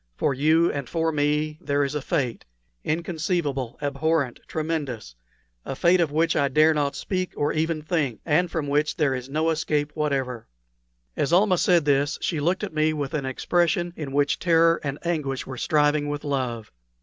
For you and for me there is a fate inconceivable, abhorrent, tremendous! a fate of which I dare not speak or even think, and from which there is no escape whatever." As Almah said this she looked at me with an expression in which terror and anguish were striving with love.